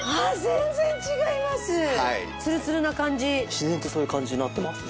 自然とそういう感じになってますね。